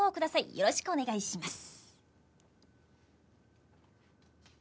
よろしくお願いします。